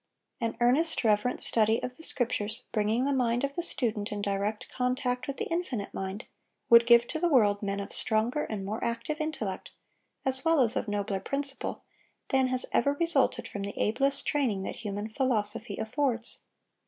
An earnest, reverent study of the Scriptures, bringing the mind of the student in direct contact with the infinite mind, would give to the world men of stronger and more active intellect, as well as of nobler principle, than has ever resulted from the ablest training that human philosophy affords.